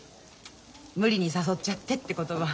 「無理に誘っちゃって」って言葉